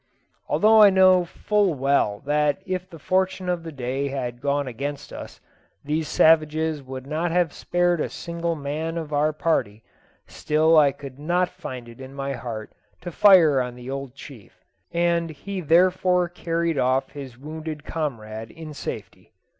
Although I knew full well that if the fortune of the day had gone against us, these savages would not have spared a single man of our party, still I could not find it in my heart to fire on the old chief, and he therefore carried off his wounded comrade in safety.